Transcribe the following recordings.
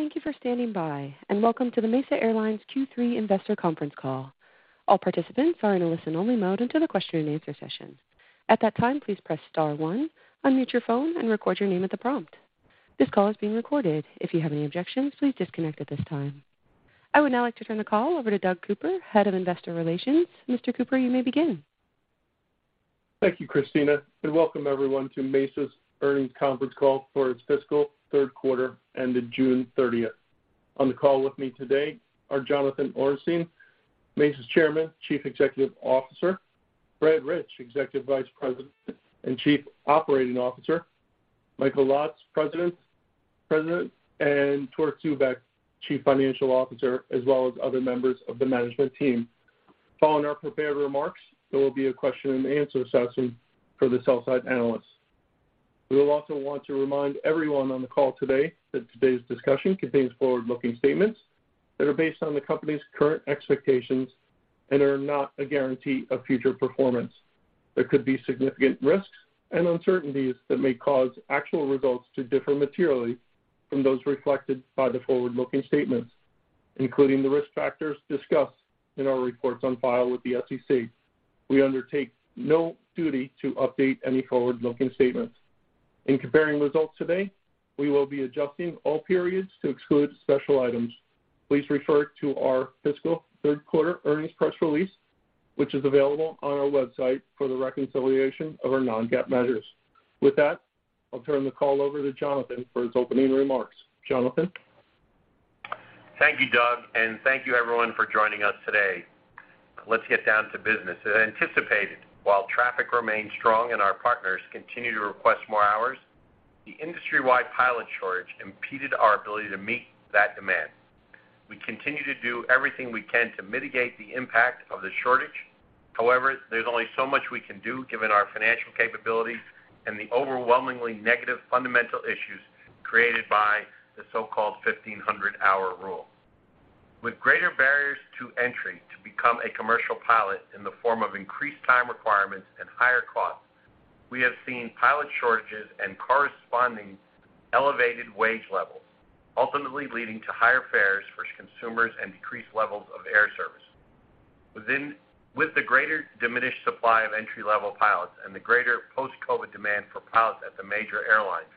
Thank you for standing by, and welcome to the Mesa Airlines Q3 investor conference call. All participants are in a listen-only mode until the question and answer session. At that time, please press star one, unmute your phone, and record your name at the prompt. This call is being recorded. If you have any objections, please disconnect at this time. I would now like to turn the call over to Doug Cooper, Head of Investor Relations. Mr. Cooper, you may begin. Thank you, Christina, and welcome everyone to Mesa's earnings conference call for its fiscal third quarter ended June 30th. On the call with me today are Jonathan Ornstein, Mesa's Chairman, Chief Executive Officer, Brad Rich, Executive Vice President and Chief Operating Officer, Michael Lotz, President, and Torque Zubeck, Chief Financial Officer, as well as other members of the management team. Following our prepared remarks, there will be a question and answer session for the sell-side analysts. We will also want to remind everyone on the call today that today's discussion contains forward-looking statements that are based on the company's current expectations and are not a guarantee of future performance. There could be significant risks and uncertainties that may cause actual results to differ materially from those reflected by the forward-looking statements, including the risk factors discussed in our reports on file with the SEC. We undertake no duty to update any forward-looking statements. In comparing results today, we will be adjusting all periods to exclude special items. Please refer to our fiscal third quarter earnings press release, which is available on our website for the reconciliation of our non-GAAP measures. With that, I'll turn the call over to Jonathan for his opening remarks. Jonathan? Thank you, Doug, and thank you everyone for joining us today. Let's get down to business. As anticipated, while traffic remained strong and our partners continued to request more hours, the industry-wide pilot shortage impeded our ability to meet that demand. We continue to do everything we can to mitigate the impact of the shortage. However, there's only so much we can do given our financial capabilities and the overwhelmingly negative fundamental issues created by the so-called 1500-hour rule. With greater barriers to entry to become a commercial pilot in the form of increased time requirements and higher costs, we have seen pilot shortages and corresponding elevated wage levels, ultimately leading to higher fares for consumers and decreased levels of air service. With the greatly diminished supply of entry-level pilots and the greater post-COVID demand for pilots at the major airlines,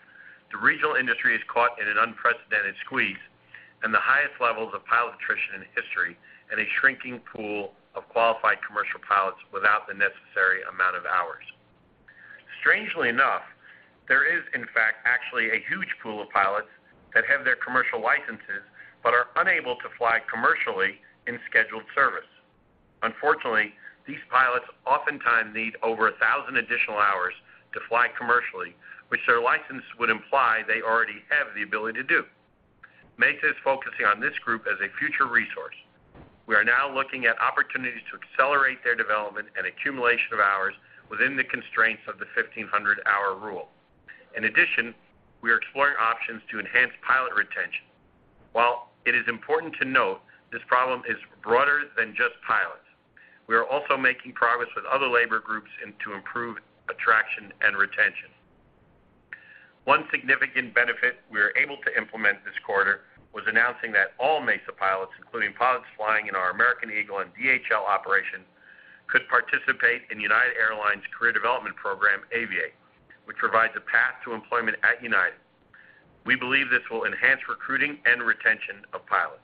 the regional industry is caught in an unprecedented squeeze and the highest levels of pilot attrition in history at a shrinking pool of qualified commercial pilots without the necessary amount of hours. Strangely enough, there is, in fact, actually a huge pool of pilots that have their commercial licenses but are unable to fly commercially in scheduled service. Unfortunately, these pilots oftentimes need over 1,000 additional hours to fly commercially, which their license would imply they already have the ability to do. Mesa is focusing on this group as a future resource. We are now looking at opportunities to accelerate their development and accumulation of hours within the constraints of the 1,500-hour rule. In addition, we are exploring options to enhance pilot retention. While it is important to note this problem is broader than just pilots, we are also making progress with other labor groups and to improve attraction and retention. One significant benefit we were able to implement this quarter was announcing that all Mesa pilots, including pilots flying in our American Eagle and DHL operation, could participate in United Airlines' career development program, Aviate, which provides a path to employment at United. We believe this will enhance recruiting and retention of pilots.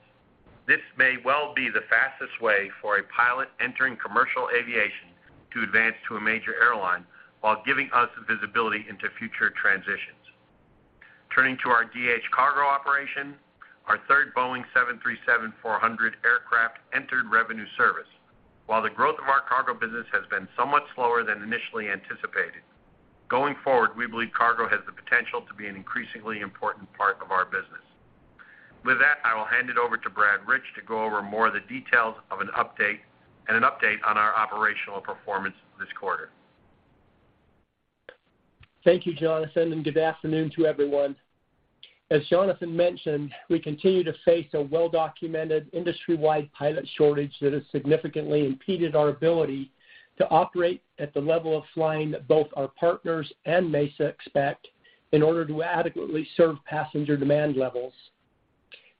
This may well be the fastest way for a pilot entering commercial aviation to advance to a major airline while giving us visibility into future transitions. Turning to our DHL cargo operation, our third Boeing 737-400 aircraft entered revenue service. While the growth of our cargo business has been somewhat slower than initially anticipated, going forward, we believe cargo has the potential to be an increasingly important part of our business. With that, I will hand it over to Brad Rich to go over more of the details of an update on our operational performance this quarter. Thank you, Jonathan, and good afternoon to everyone. As Jonathan mentioned, we continue to face a well-documented industry-wide pilot shortage that has significantly impeded our ability to operate at the level of flying that both our partners and Mesa expect in order to adequately serve passenger demand levels.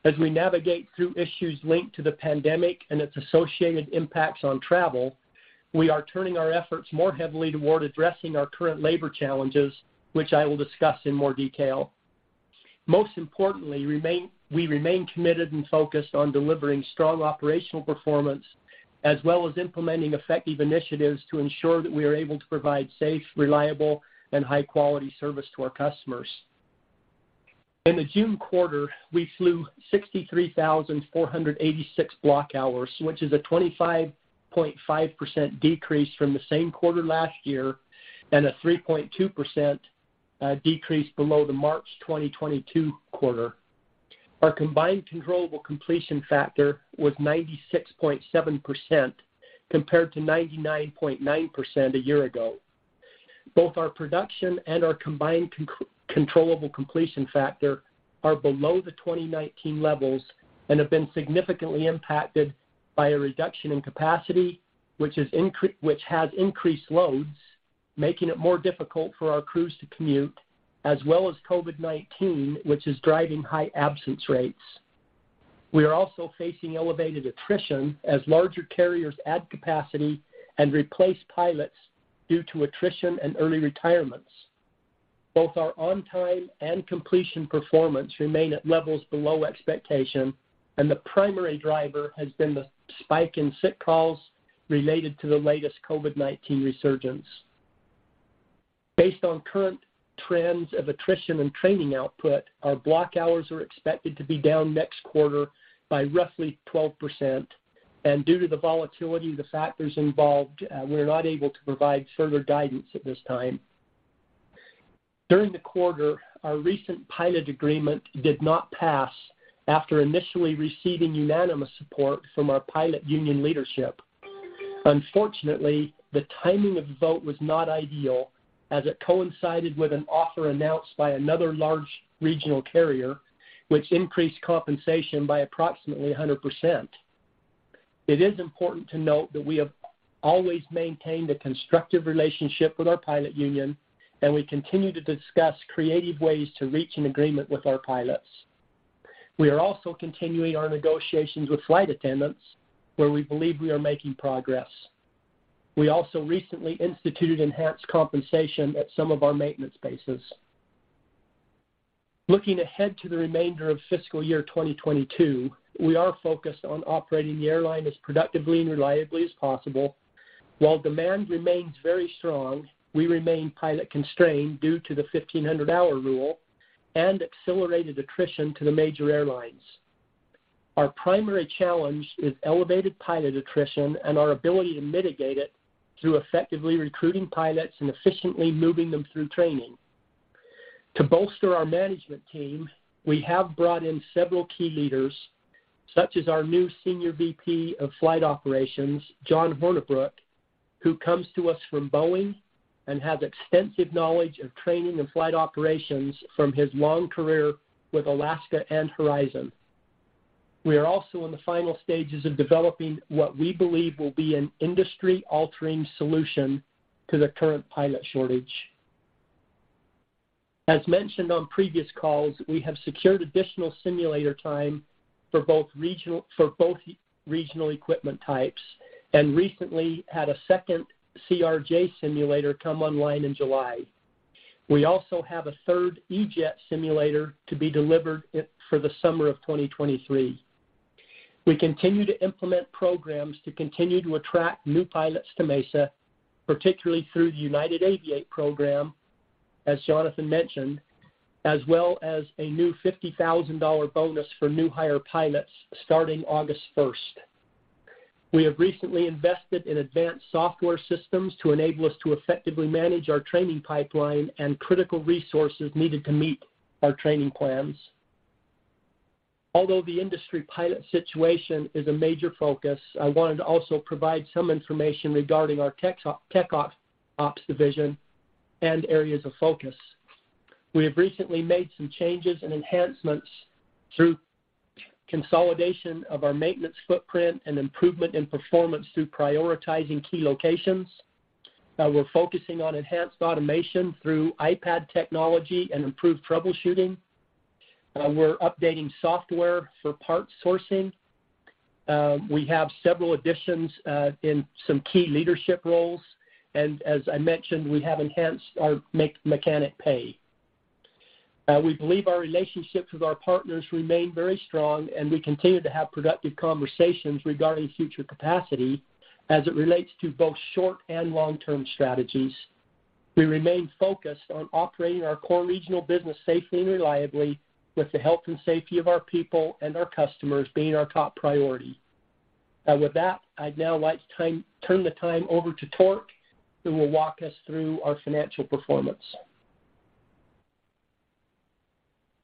As we navigate through issues linked to the pandemic and its associated impacts on travel, we are turning our efforts more heavily toward addressing our current labor challenges, which I will discuss in more detail. Most importantly, we remain committed and focused on delivering strong operational performance, as well as implementing effective initiatives to ensure that we are able to provide safe, reliable, and high-quality service to our customers. In the June quarter, we flew 63,486 block hours, which is a 25.5% decrease from the same quarter last year and a 3.2% decrease below the March 2022 quarter. Our combined controllable completion factor was 96.7% compared to 99.9% a year ago. Both our production and our combined controllable completion factor are below the 2019 levels and have been significantly impacted by a reduction in capacity, which has increased loads, making it more difficult for our crews to commute, as well as COVID-19, which is driving high absence rates. We are also facing elevated attrition as larger carriers add capacity and replace pilots due to attrition and early retirements. Both our on-time and completion performance remain at levels below expectation, and the primary driver has been the spike in sick calls related to the latest COVID-19 resurgence. Based on current trends of attrition and training output, our block hours are expected to be down next quarter by roughly 12%, and due to the volatility of the factors involved, we're not able to provide further guidance at this time. During the quarter, our recent pilot agreement did not pass after initially receiving unanimous support from our pilot union leadership. Unfortunately, the timing of the vote was not ideal, as it coincided with an offer announced by another large regional carrier, which increased compensation by approximately 100%. It is important to note that we have always maintained a constructive relationship with our pilot union, and we continue to discuss creative ways to reach an agreement with our pilots. We are also continuing our negotiations with flight attendants, where we believe we are making progress. We also recently instituted enhanced compensation at some of our maintenance bases. Looking ahead to the remainder of fiscal year 2022, we are focused on operating the airline as productively and reliably as possible. While demand remains very strong, we remain pilot-constrained due to the 1,500-hour rule and accelerated attrition to the major airlines. Our primary challenge is elevated pilot attrition and our ability to mitigate it through effectively recruiting pilots and efficiently moving them through training. To bolster our management team, we have brought in several key leaders, such as our new Senior VP of Flight Operations, John Hornibrook, who comes to us from Boeing and has extensive knowledge of training and flight operations from his long career with Alaska and Horizon. We are also in the final stages of developing what we believe will be an industry-altering solution to the current pilot shortage. As mentioned on previous calls, we have secured additional simulator time for both regional equipment types, and recently had a Second CRJ Simulator come online in July. We also have a Third E-Jet Simulator to be delivered for the summer of 2023. We continue to implement programs to continue to attract new pilots to Mesa, particularly through the United Aviate program, as Jonathan mentioned, as well as a new $50,000 bonus for new hire pilots starting August 1st. We have recently invested in advanced software systems to enable us to effectively manage our training pipeline and critical resources needed to meet our training plans. Although the industry pilot situation is a major focus, I wanted to also provide some information regarding our tech ops division and areas of focus. We have recently made some changes and enhancements through consolidation of our maintenance footprint and improvement in performance through prioritizing key locations. We're focusing on enhanced automation through iPad technology and improved troubleshooting. We're updating software for parts sourcing. We have several additions in some key leadership roles, and as I mentioned, we have enhanced our mechanic pay. We believe our relationships with our partners remain very strong, and we continue to have productive conversations regarding future capacity as it relates to both short and long-term strategies. We remain focused on operating our core regional business safely and reliably with the health and safety of our people and our customers being our top priority. With that, I'd now like to turn the time over to Torque, who will walk us through our financial performance.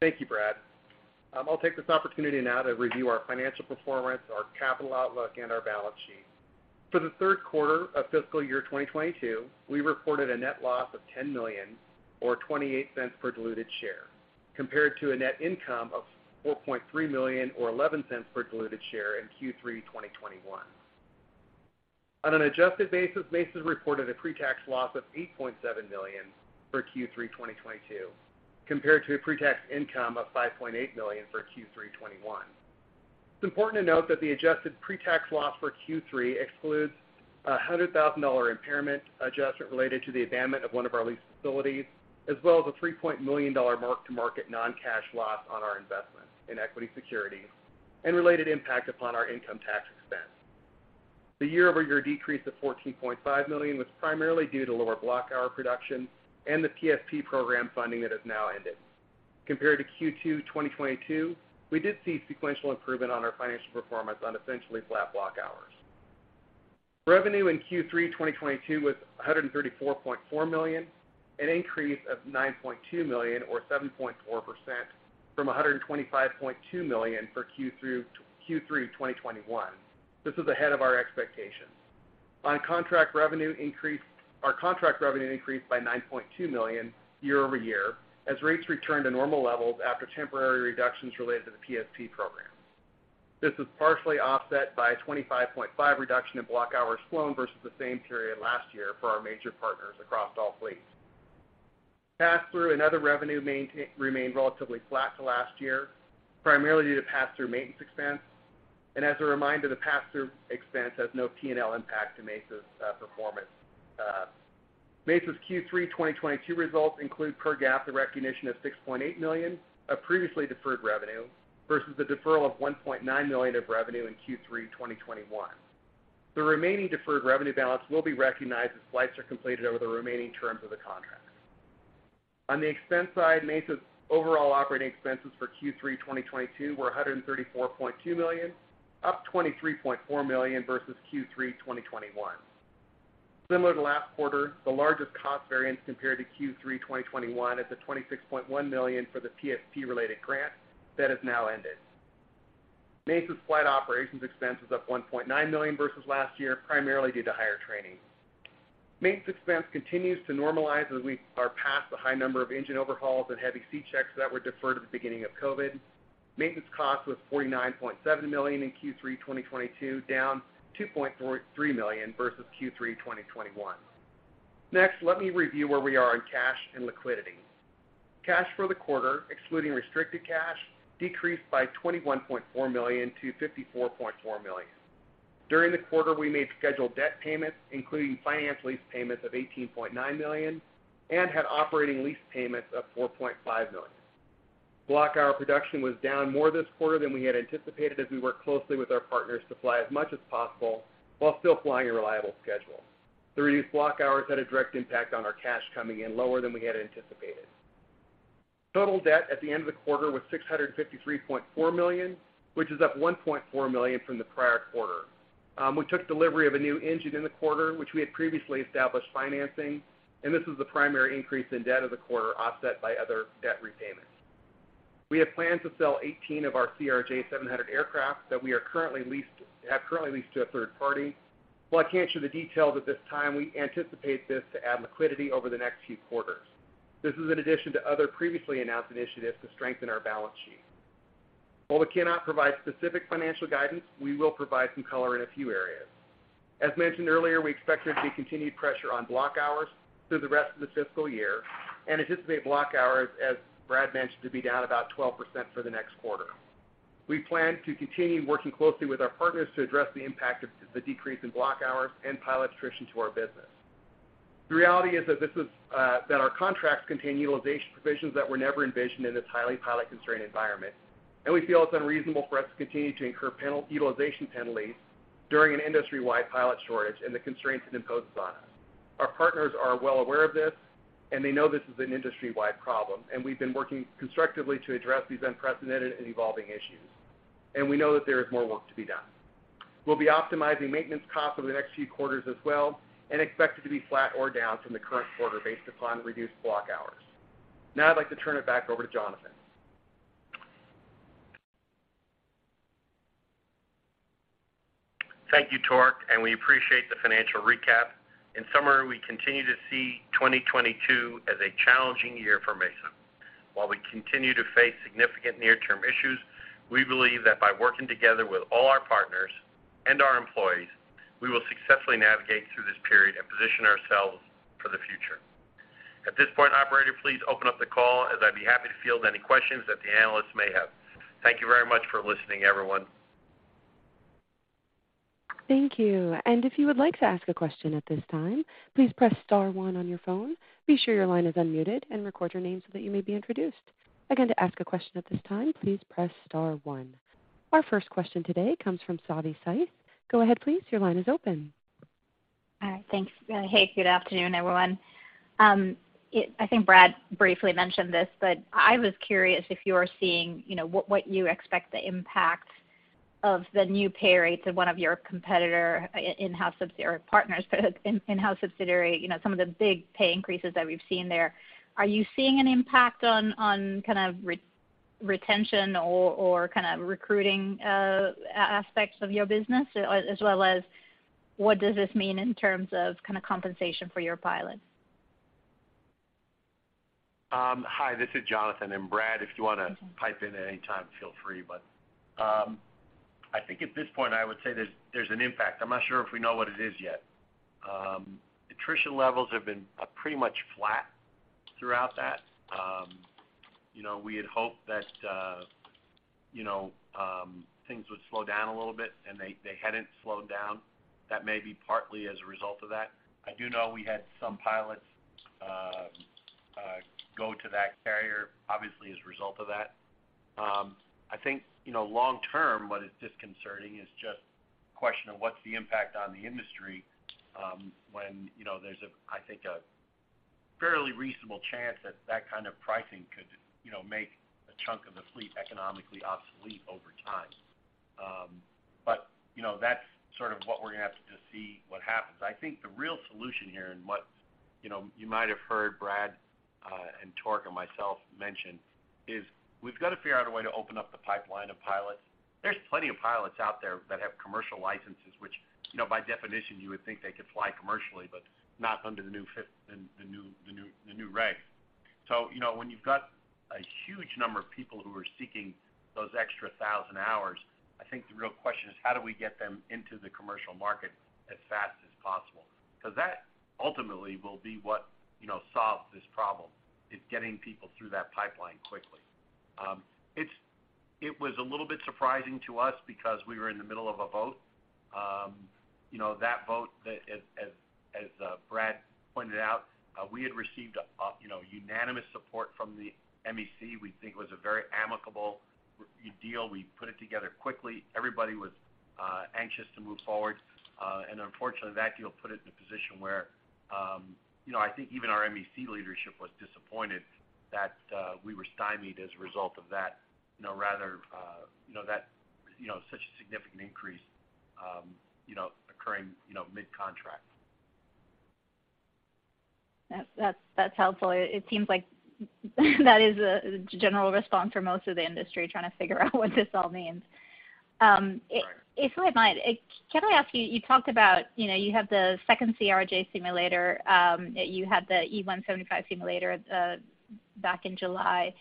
Thank you, Brad. I'll take this opportunity now to review our financial performance, our capital outlook, and our balance sheet. For the third quarter of fiscal year 2022, we reported a net loss of $10 million or $0.28 per diluted share, compared to a net income of $4.3 million or $0.11 per diluted share in Q3 2021. On an adjusted basis, Mesa reported a pre-tax loss of $8.7 million for Q3 2022, compared to a pre-tax income of $5.8 million for Q3 2021. It's important to note that the adjusted pre-tax loss for Q3 excludes a $100,000 impairment adjustment related to the abandonment of one of our lease facilities, as well as a $3 million mark-to-market non-cash loss on our investment in equity securities and related impact upon our income tax expense. The year-over-year decrease of $14.5 million was primarily due to lower block hour production and the PSP program funding that has now ended. Compared to Q2 2022, we did see sequential improvement on our financial performance on essentially flat block hours. Revenue in Q3 2022 was $134.4 million, an increase of $9.2 million or 7.4% from $125.2 million for Q3 2021. This is ahead of our expectations. Our contract revenue increased by $9.2 million year over year as rates returned to normal levels after temporary reductions related to the PSP program. This is partially offset by a 25.5 reduction in block hours flown versus the same period last year for our major partners across all fleets. Pass-through and other revenue remained relatively flat to last year, primarily due to pass-through maintenance expense. As a reminder, the pass-through expense has no P&L impact to Mesa's performance. Mesa's Q3 2022 results include per GAAP, the recognition of $6.8 million of previously deferred revenue versus the deferral of $1.9 million of revenue in Q3 2021. The remaining deferred revenue balance will be recognized as flights are completed over the remaining terms of the contract. On the expense side, Mesa's overall operating expenses for Q3 2022 were $134.2 million, up $23.4 million versus Q3 2021. Similar to last quarter, the largest cost variance compared to Q3 2021 is the $26.1 million for the PSP-related grant that has now ended. Mesa's flight operations expense is up $1.9 million versus last year, primarily due to higher training. Maintenance expense continues to normalize as we are past the high number of engine overhauls and heavy C-check that were deferred at the beginning of COVID. Maintenance cost was $49.7 million in Q3 2022, down $2.3 million versus Q3 2021. Next, let me review where we are on cash and liquidity. Cash for the quarter, excluding restricted cash, decreased by $21.4 million to $54.4 million. During the quarter, we made scheduled debt payments, including finance lease payments of $18.9 million and had operating lease payments of $4.5 million. Block hour production was down more this quarter than we had anticipated as we worked closely with our partners to fly as much as possible while still flying a reliable schedule. The reduced block hours had a direct impact on our cash coming in lower than we had anticipated. Total debt at the end of the quarter was $653.4 million, which is up $1.4 million from the prior quarter. We took delivery of a new engine in the quarter, which we had previously established financing, and this is the primary increase in debt of the quarter, offset by other debt repayments. We have planned to sell 18 of our CRJ700 aircraft that we have currently leased to a third party. While I can't share the details at this time, we anticipate this to add liquidity over the next few quarters. This is in addition to other previously announced initiatives to strengthen our balance sheet. While we cannot provide specific financial guidance, we will provide some color in a few areas. As mentioned earlier, we expect there to be continued pressure on block hours through the rest of the fiscal year and anticipate block hours, as Brad mentioned, to be down about 12% for the next quarter. We plan to continue working closely with our partners to address the impact of the decrease in block hours and pilot attrition to our business. The reality is that this is, that our contracts contain utilization provisions that were never envisioned in this highly pilot-constrained environment, and we feel it's unreasonable for us to continue to incur utilization penalties during an industry-wide pilot shortage and the constraints it imposes on us. Our partners are well aware of this, and they know this is an industry-wide problem, and we've been working constructively to address these unprecedented and evolving issues, and we know that there is more work to be done. We'll be optimizing maintenance costs over the next few quarters as well and expect it to be flat or down from the current quarter based upon the reduced block hours. Now I'd like to turn it back over to Jonathan. Thank you, Torque, and we appreciate the financial recap. In summary, we continue to see 2022 as a challenging year for Mesa. While we continue to face significant near-term issues, we believe that by working together with all our partners and our employees, we will successfully navigate through this period and position ourselves for the future. At this point, operator, please open up the call as I'd be happy to field any questions that the analysts may have. Thank you very much for listening, everyone. Thank you. If you would like to ask a question at this time, please press star one on your phone. Be sure your line is unmuted and record your name so that you may be introduced. Again, to ask a question at this time, please press star one. Our first question today comes from Savi Syth. Go ahead, please. Your line is open. All right. Thanks. Hey, good afternoon, everyone. I think Brad briefly mentioned this, but I was curious if you are seeing, you know, what you expect the impact of the new pay rates of one of your competitor in-house or partners, but in-house subsidiary, you know, some of the big pay increases that we've seen there. Are you seeing an impact on kind of retention or kind of recruiting, aspects of your business as well as what does this mean in terms of kind of compensation for your pilots? Hi, this is Jonathan, and Brad, if you wanna pipe in at any time, feel free. I think at this point I would say there's an impact. I'm not sure if we know what it is yet. Attrition levels have been pretty much flat throughout that. You know, we had hoped that you know, things would slow down a little bit, and they hadn't slowed down. That may be partly as a result of that. I do know we had some pilots go to that carrier, obviously as a result of that. I think, you know, long term, what is disconcerting is just the question of what's the impact on the industry, when, you know, there's a, I think, a fairly reasonable chance that that kind of pricing could, you know, make a chunk of the fleet economically obsolete over time. You know, that's sort of what we're gonna have to see what happens. I think the real solution here, and what, you know, you might have heard Brad, and Torque, and myself mention, is we've got to figure out a way to open up the pipeline of pilots. There's plenty of pilots out there that have commercial licenses, which, you know, by definition, you would think they could fly commercially, but not under the new regs. You know, when you've got a huge number of people who are seeking those extra 1,000 hours, I think the real question is how do we get them into the commercial market as fast as possible. Because that ultimately will be what, you know, solves this problem, is getting people through that pipeline quickly. It was a little bit surprising to us because we were in the middle of a vote. You know, that vote that as Brad pointed out, we had received a, you know, unanimous support from the MEC we think was a very amicable deal. We put it together quickly. Everybody was anxious to move forward. Unfortunately, that deal put it in a position where, you know, I think even our MEC leadership was disappointed that we were stymied as a result of that, you know, rather, you know, that, you know, such a significant increase, you know, occurring, you know, mid-contract. That's helpful. It seems like that is a general response for most of the industry trying to figure out what this all means. If I might, can I ask you talked about, you know, you have the Second CRJ Simulator, you had the E175 Simulator back in July.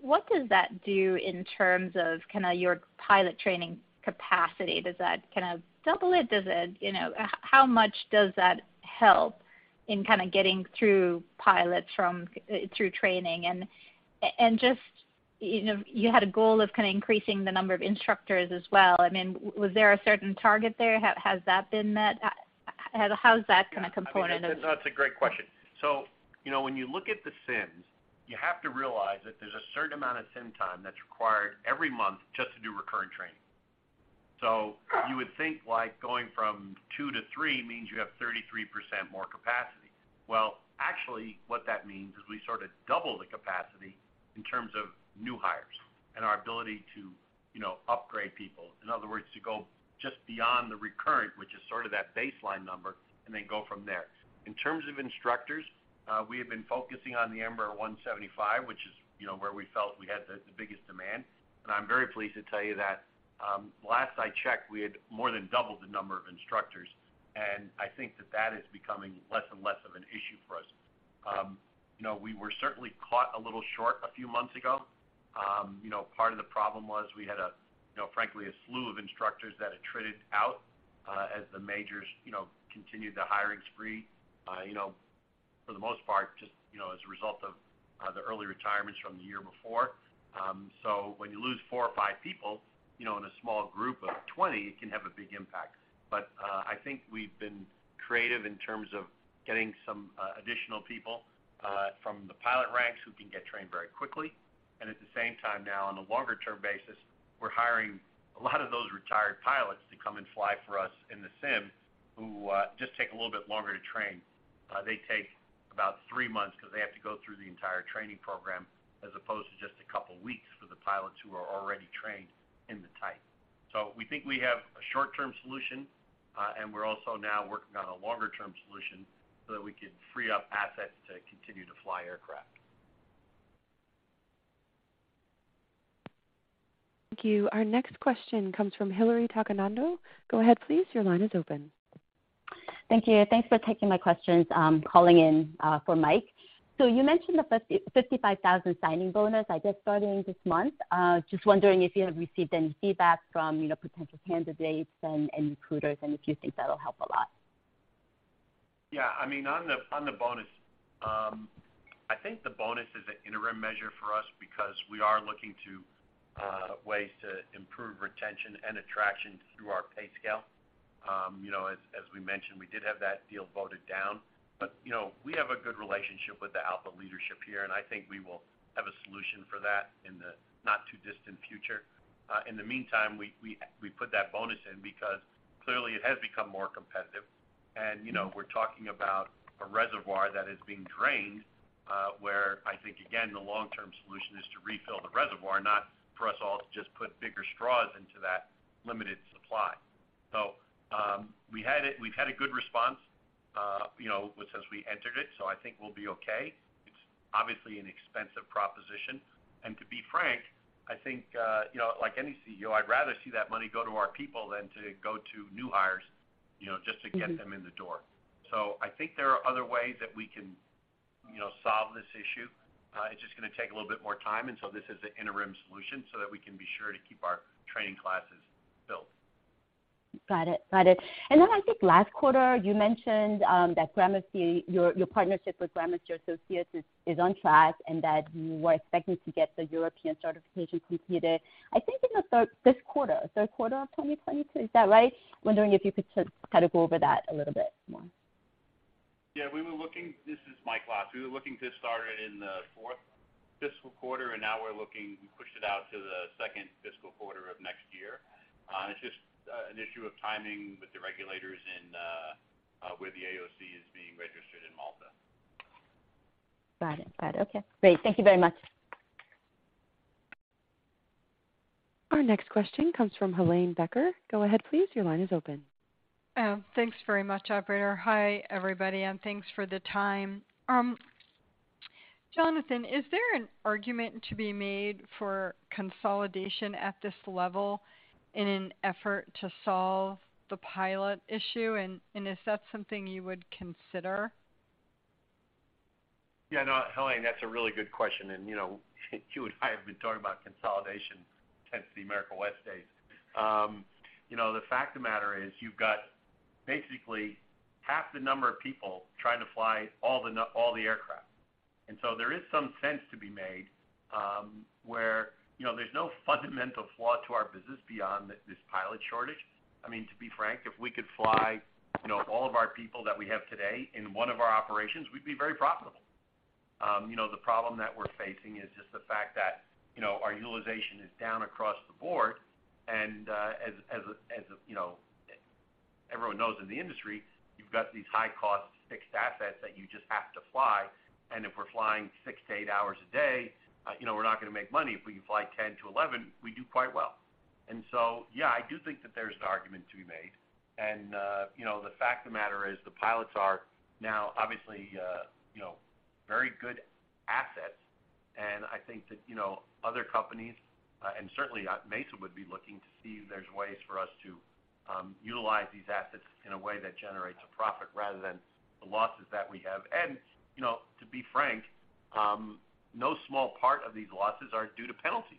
What does that do in terms of kind of your pilot training capacity? Does that kind of double it? Does it? You know, how much does that help in kind of getting through pilots through training? Just, you know, you had a goal of kind of increasing the number of instructors as well. I mean, was there a certain target there? Has that been met? How is that gonna component of? Yeah. I mean, that's a great question. You know, when you look at the sims, you have to realize that there's a certain amount of sim time that's required every month just to do recurrent training. You would think, like, going from two to three means you have 33% more capacity. Well, actually, what that means is we sort of double the capacity in terms of new hires and our ability to, you know, upgrade people, in other words, to go just beyond the recurrent, which is sort of that baseline number, and then go from there. In terms of instructors, we have been focusing on the Embraer 175, which is, you know, where we felt we had the biggest demand. I'm very pleased to tell you that, last I checked, we had more than doubled the number of instructors, and I think that is becoming less and less of an issue for us. You know, we were certainly caught a little short a few months ago. You know, part of the problem was we had a, you know, frankly, a slew of instructors that had traded out, as the majors, you know, continued the hiring spree, you know, for the most part, just, you know, as a result of, the early retirements from the year before. When you lose four or five people, you know, in a small group of 20, it can have a big impact. I think we've been creative in terms of getting some additional people from the pilot ranks who can get trained very quickly. At the same time now, on a longer term basis, we're hiring a lot of those retired pilots to come and fly for us in the sim who just take a little bit longer to train. They take about three months because they have to go through the entire training program as opposed to just a couple weeks for the pilots who are already trained in the type. We think we have a short-term solution, and we're also now working on a longer term solution so that we can free up assets to continue to fly aircraft. Thank you. Our next question comes from Hillary Cacanando. Go ahead, please. Your line is open. Thank you. Thanks for taking my questions. I'm calling in for Mike. You mentioned the $55,000 signing bonus, I guess, starting this month. Just wondering if you have received any feedback from, you know, potential candidates and recruiters, and if you think that'll help a lot? I mean, on the bonus, I think the bonus is an interim measure for us because we are looking to ways to improve retention and attraction through our pay scale. You know, as we mentioned, we did have that deal voted down, but you know, we have a good relationship with the ALPA leadership here, and I think we will have a solution for that in the not too distant future. In the meantime, we put that bonus in because clearly it has become more competitive. You know, we're talking about a reservoir that is being drained, where I think, again, the long-term solution is to refill the reservoir, not for us all to just put bigger straws into that limited supply. We've had a good response, you know, since we entered it, so I think we'll be okay. It's obviously an expensive proposition. To be frank, I think, you know, like any CEO, I'd rather see that money go to our people than to go to new hires, you know, just to get them in the door. I think there are other ways that we can, you know, solve this issue. It's just gonna take a little bit more time, and so this is the interim solution so that we can be sure to keep our training classes built. Got it. I think last quarter, you mentioned that Gramercy, your partnership with Gramercy Associates is on track, and that you were expecting to get the European certification completed, I think in the third quarter of 2022. Is that right? Wondering if you could kind of go over that a little bit more? This is Mike Lotz. We were looking to start it in the fourth fiscal quarter, and now we're looking, we pushed it out to the second fiscal quarter of next year. It's just an issue of timing with the regulators and where the AOC is being registered in Malta. Got it. Okay, great. Thank you very much. Our next question comes from Helane Becker. Go ahead, please. Your line is open. Thanks very much, operator. Hi, everybody, and thanks for the time. Jonathan, is there an argument to be made for consolidation at this level in an effort to solve the pilot issue? Is that something you would consider? Yeah. No, Helane, that's a really good question. You know, you and I have been talking about consolidation since the America West days. You know, the fact of the matter is you've got basically half the number of people trying to fly all the aircraft. There is some sense to be made, where, you know, there's no fundamental flaw to our business beyond this pilot shortage. I mean, to be frank, if we could fly, you know, all of our people that we have today in one of our operations, we'd be very profitable. You know, the problem that we're facing is just the fact that, you know, our utilization is down across the board, and, as you know, everyone knows in the industry, you've got these high cost fixed assets that you just have to fly. If we're flying six to eight hours a day, you know, we're not gonna make money. If we can fly 10-11, we do quite well. Yeah, I do think that there's an argument to be made. You know, the fact of the matter is, the pilots are now obviously, you know, very good assets. I think that, you know, other companies, and certainly at Mesa would be looking to see if there's ways for us to utilize these assets in a way that generates a profit rather than the losses that we have. You know, to be frank, no small part of these losses are due to penalties.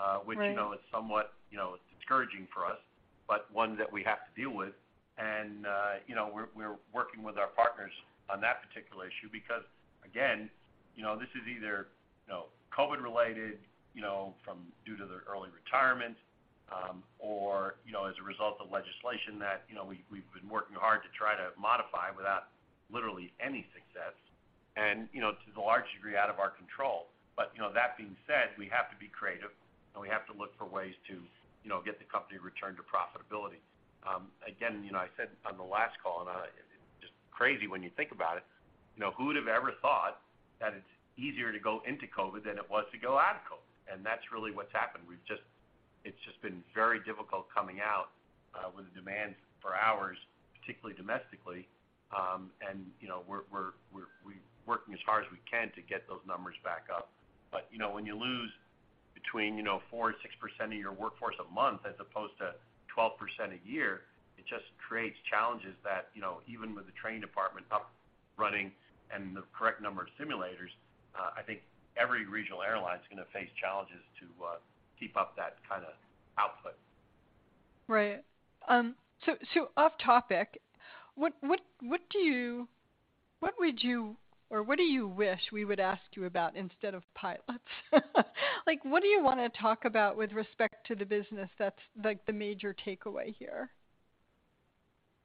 Right. Which, you know, is somewhat, you know, discouraging for us, but one that we have to deal with. You know, we're working with our partners on that particular issue because again, you know, this is either, you know, COVID related, you know, due to the early retirement, or, you know, as a result of legislation that, you know, we've been working hard to try to modify without literally any success and, you know, to a large degree out of our control. You know, that being said, we have to be creative, and we have to look for ways to, you know, get the company returned to profitability. Again, you know, I said on the last call, and it's just crazy when you think about it. You know, who would've ever thought that it's easier to go into COVID than it was to go out of COVID? That's really what's happened. It's just been very difficult coming out with the demand for hours, particularly domestically. You know, we're working as hard as we can to get those numbers back up. You know, when you lose between 4% and 6% of your workforce a month as opposed to 12% a year, it just creates challenges that, you know, even with the training department up and running and the correct number of simulators, I think every regional airline is gonna face challenges to keep up that kinda output. Right. Off topic, what do you wish we would ask you about instead of pilots? Like, what do you wanna talk about with respect to the business that's, like, the major takeaway here?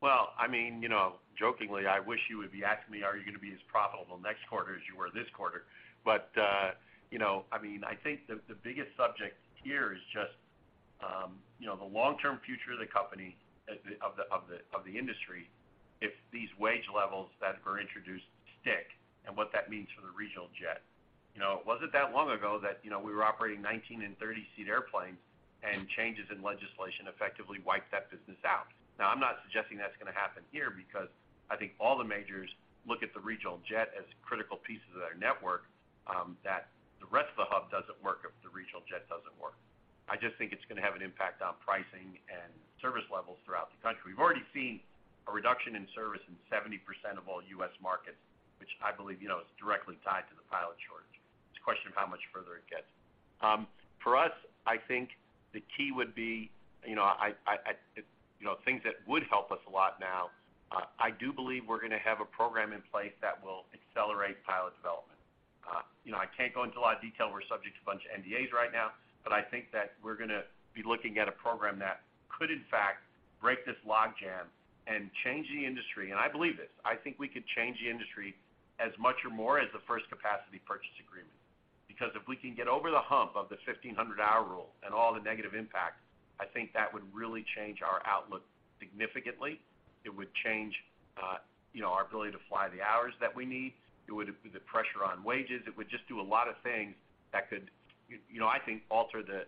Well, I mean, you know, jokingly, I wish you would be asking me, are you gonna be as profitable next quarter as you were this quarter? You know, I mean, I think the biggest subject here is just, you know, the long-term future of the company of the industry, if these wage levels that were introduced stick and what that means for the regional jet. You know, it wasn't that long ago that, you know, we were operating 19- and 30-seat airplanes, and changes in legislation effectively wiped that business out. Now, I'm not suggesting that's gonna happen here because I think all the majors look at the regional jet as critical pieces of their network, that the rest of the hub doesn't work if the regional jet doesn't work. I just think it's gonna have an impact on pricing and service levels throughout the country. We've already seen a reduction in service in 70% of all U.S. markets, which I believe, you know, is directly tied to the pilot shortage. It's a question of how much further it gets. For us, I think the key would be, you know, I you know, things that would help us a lot now. I do believe we're gonna have a program in place that will accelerate pilot development. You know, I can't go into a lot of detail. We're subject to a bunch of NDAs right now, but I think that we're gonna be looking at a program that could in fact break this logjam and change the industry. I believe this. I think we could change the industry as much or more as the first capacity purchase agreement. Because if we can get over the hump of the 1,500-hour rule and all the negative impacts, I think that would really change our outlook significantly. It would change, you know, our ability to fly the hours that we need. It would change the pressure on wages. It would just do a lot of things that could, you know, I think alter the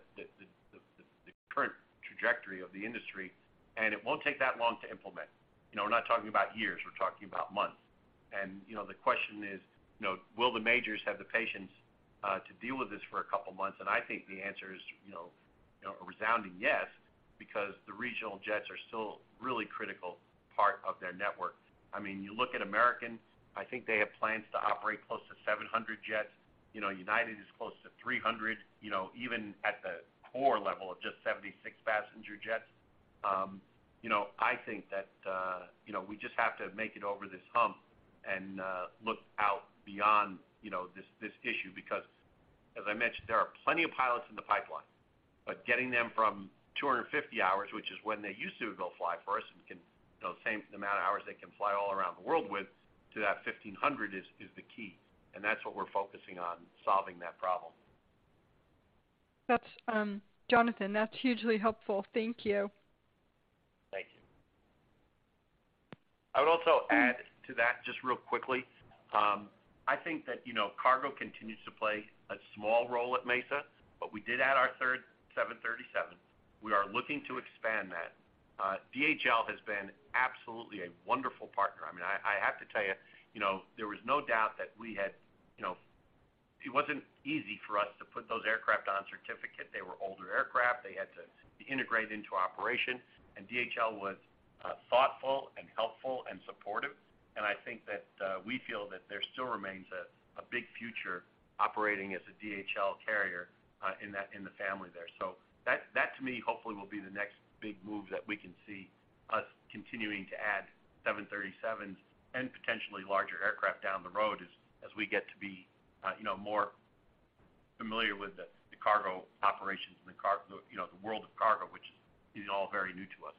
current trajectory of the industry, and it won't take that long to implement. You know, we're not talking about years, we're talking about months. You know, the question is, will the majors have the patience to deal with this for a couple of months? I think the answer is, you know, a resounding yes, because the regional jets are still really critical part of their network. I mean, you look at American, I think they have plans to operate close to 700 jets. You know, United is close to 300, you know, even at the core level of just 76-passenger jets. You know, I think that, you know, we just have to make it over this hump and, look out beyond, you know, this issue because as I mentioned, there are plenty of pilots in the pipeline. But getting them from 250 hours, which is when they used to go fly for us, those same amount of hours they can fly all around the world with, to that 1500 is the key. That's what we're focusing on, solving that problem. That's Jonathan, that's hugely helpful. Thank you. Thank you. I would also add to that, just real quickly. I think that, you know, cargo continues to play a small role at Mesa, but we did add our Third 737. We are looking to expand that. DHL has been absolutely a wonderful partner. I mean, I have to tell you know, there was no doubt that we had. It wasn't easy for us to put those aircraft on certificate. They were older aircraft. They had to integrate into operation, and DHL was thoughtful and helpful and supportive. I think that we feel that there still remains a big future operating as a DHL carrier in that in the family there. That to me, hopefully will be the next big move that we can see us continuing to add 737 and potentially larger aircraft down the road as we get to be, you know, more familiar with the cargo operations and, you know, the world of cargo, which is all very new to us.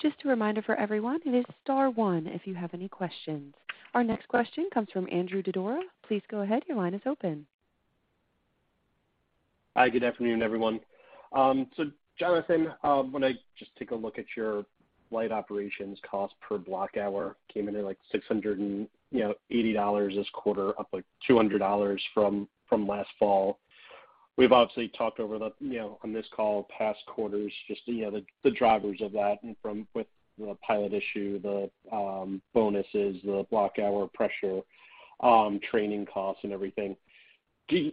Just a reminder for everyone, it is star one, if you have any questions. Our next question comes from Andrew Didora. Please go ahead. Your line is open. Hi, good afternoon, everyone. Jonathan, when I just take a look at your flight operations cost per block hour came in at, like, $680 this quarter, up, like, $200 from last fall. We've obviously talked over the on this call past quarters just the drivers of that and from with the pilot issue, the bonuses, the block hour pressure, training costs and everything. Do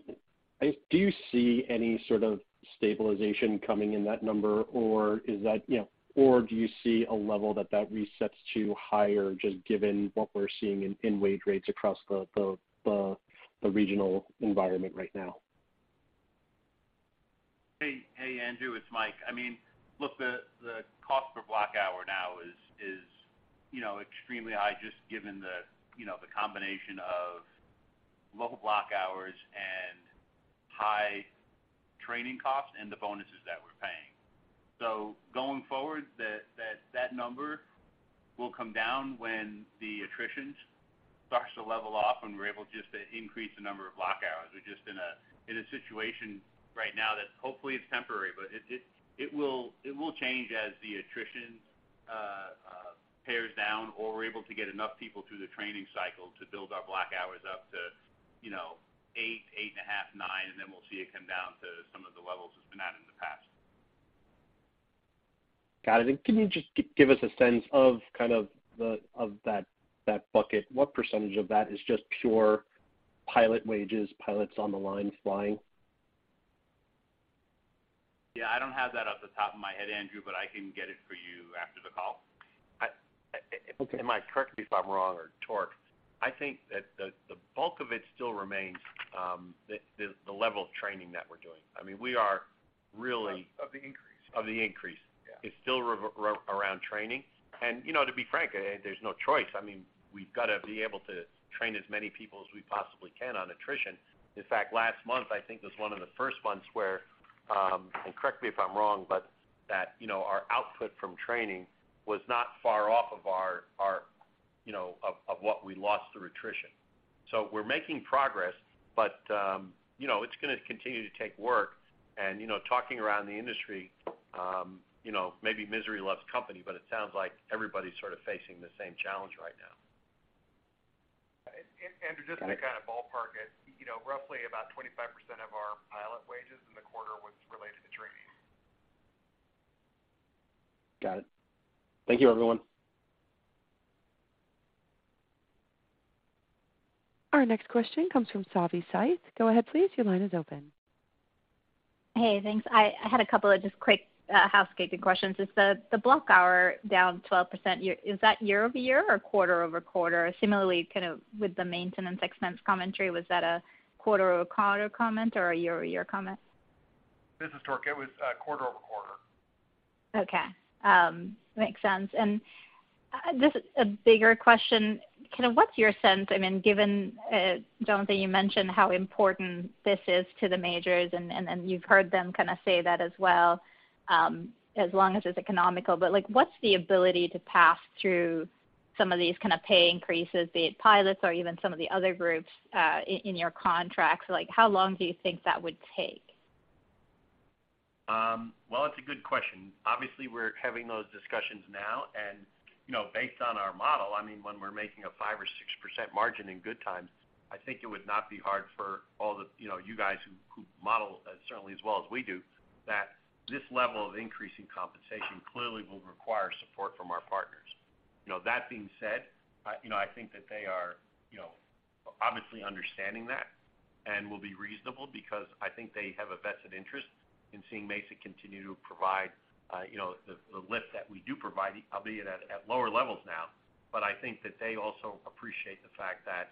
you see any sort of stabilization coming in that number, or is that, or do you see a level that resets to higher just given what we're seeing in wage rates across the regional environment right now? Hey, hey, Andrew, it's Mike. I mean, look, the cost per block hour now is, you know, extremely high just given you know, the combination of low block hours and high training costs and the bonuses that we're paying. So going forward, that number will come down when the attrition starts to level off and we're able just to increase the number of block hours. We're just in a situation right now that hopefully is temporary, but it will change as the attrition tapers down or we're able to get enough people through the training cycle to build our block hours up to, you know, eight, 8.5, nine, and then we'll see it come down to some of the levels it's been at in the past. Got it. Can you just give us a sense of kind of that bucket? What percentage of that is just pure pilot wages, pilots on the line flying? Yeah, I don't have that off the top of my head, Andrew, but I can get it for you after the call. Okay. Mike, correct me if I'm wrong, or Tork. I think that the bulk of it still remains, the level of training that we're doing. I mean, we are really. Of the increase. Of the increase. Yeah. It's still revolving around training. You know, to be frank, there's no choice. I mean, we've got to be able to train as many people as we possibly can on attrition. In fact, last month, I think, was one of the first months where and correct me if I'm wrong, but you know, our output from training was not far off of our you know of what we lost through attrition. We're making progress, but you know, it's gonna continue to take work. You know, talking around the industry, you know, maybe misery loves company, but it sounds like everybody's sort of facing the same challenge right now. Just to kind of ballpark it, you know, roughly about 25% of our pilot wages in the quarter was related to training. Got it. Thank you, everyone. Our next question comes from Savi Syth. Go ahead please. Your line is open. Hey, thanks. I had a couple of just quick housekeeping questions. Is the block hour down 12% year-over-year or quarter-over-quarter? Similarly, kind of with the maintenance expense commentary, was that a quarter-over-quarter comment or a year-over-year comment? This is Torque. It was quarter-over-quarter. Okay. Makes sense. Just a bigger question, kind of what's your sense, I mean, given Jonathan, you mentioned how important this is to the majors, and you've heard them kind of say that as well, as long as it's economical? Like, what's the ability to pass through some of these kind of pay increases, be it pilots or even some of the other groups, in your contracts? Like, how long do you think that would take? It's a good question. Obviously, we're having those discussions now and, you know, based on our model, I mean, when we're making a 5%-6% margin in good times, I think it would not be hard for all the, you know, you guys who model certainly as well as we do that this level of increase in compensation clearly will require support from our partners. You know, that being said, you know, I think that they are, you know, obviously understanding that and will be reasonable because I think they have a vested interest in seeing Mesa continue to provide, you know, the lift that we do provide, albeit at lower levels now. I think that they also appreciate the fact that,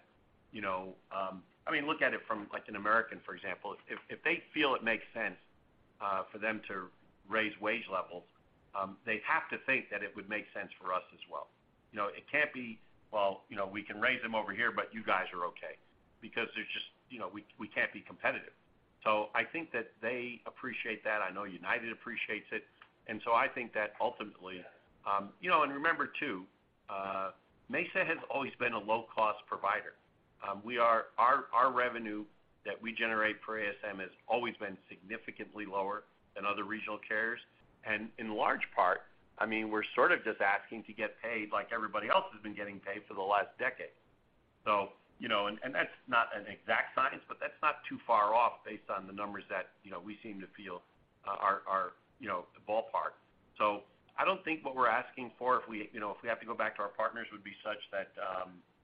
you know, I mean, look at it from, like in American, for example. If they feel it makes sense for them to raise wage levels, they have to think that it would make sense for us as well. You know, it can't be, well, you know, we can raise them over here, but you guys are okay because there's just, you know, we can't be competitive. I think that they appreciate that. I know United appreciates it. I think that ultimately, you know, and remember too, Mesa has always been a low-cost provider. Our revenue that we generate per ASM has always been significantly lower than other regional carriers. In large part, I mean, we're sort of just asking to get paid like everybody else has been getting paid for the last decade. So, you know, and that's not an exact science, but that's not too far off based on the numbers that, you know, we seem to feel are, you know, the ballpark. So I don't think what we're asking for if we, you know, if we have to go back to our partners would be such that,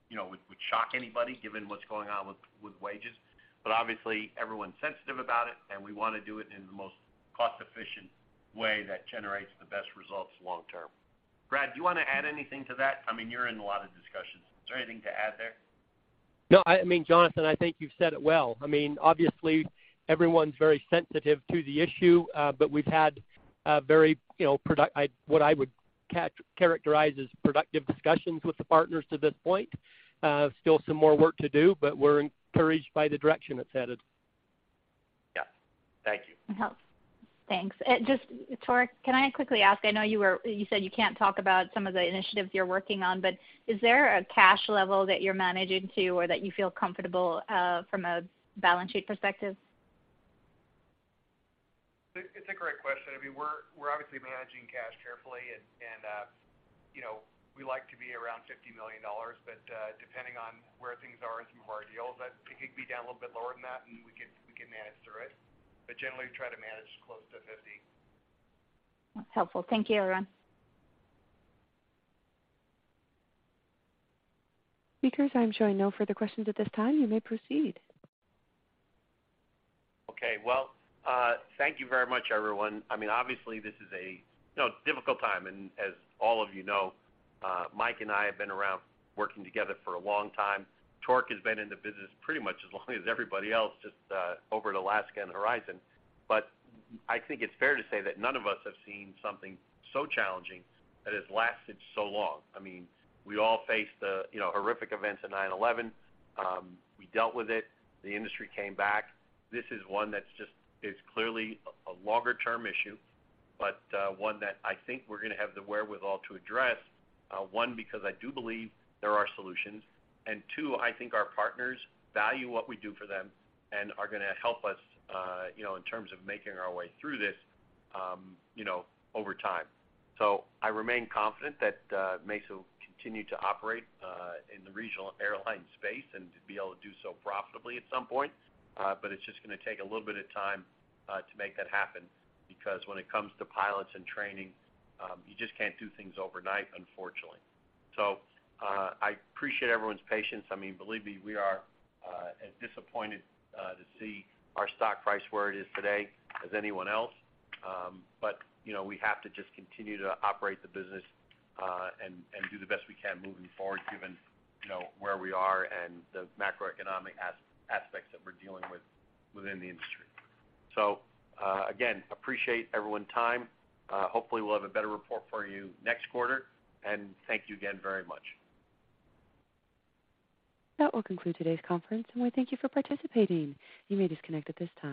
you know, would shock anybody given what's going on with wages. But obviously, everyone's sensitive about it, and we wanna do it in the most cost-efficient way that generates the best results long term. Brad, do you wanna add anything to that? I mean, you're in a lot of discussions. Is there anything to add there? No. I mean, Jonathan, I think you've said it well. I mean, obviously everyone's very sensitive to the issue, but we've had a very, you know, what I would characterize as productive discussions with the partners to this point. Still some more work to do, but we're encouraged by the direction it's headed. Yeah. Thank you. It helps. Thanks. Just, Torque, can I quickly ask? You said you can't talk about some of the initiatives you're working on, but is there a cash level that you're managing to or that you feel comfortable from a balance sheet perspective? It's a great question. I mean, we're obviously managing cash carefully and you know, we like to be around $50 million, but depending on where things are in some of our deals, that it could be down a little bit lower than that, and we can manage through it. Generally, try to manage close to $50 million. That's helpful. Thank you, everyone. Speakers, I'm showing no further questions at this time. You may proceed. Okay. Well, thank you very much, everyone. I mean, obviously this is a, you know, difficult time, and as all of you know, Mike and I have been around working together for a long time. Torque has been in the business pretty much as long as everybody else, just over at Alaska and Horizon. I think it's fair to say that none of us have seen something so challenging that has lasted so long. I mean, we all faced the, you know, horrific events of 9/11. We dealt with it. The industry came back. This is one that's just, it's clearly a longer term issue, but, one that I think we're gonna have the wherewithal to address, one, because I do believe there are solutions, and two, I think our partners value what we do for them and are gonna help us, you know, in terms of making our way through this, you know, over time. I remain confident that, Mesa will continue to operate, in the regional airline space and to be able to do so profitably at some point. It's just gonna take a little bit of time, to make that happen because when it comes to pilots and training, you just can't do things overnight, unfortunately. I appreciate everyone's patience. I mean, believe me, we are as disappointed to see our stock price where it is today as anyone else. You know, we have to just continue to operate the business and do the best we can moving forward, given you know where we are and the macroeconomic aspects that we're dealing with within the industry. Again, appreciate everyone's time. Hopefully we'll have a better report for you next quarter, and thank you again very much. That will conclude today's conference, and we thank you for participating. You may disconnect at this time.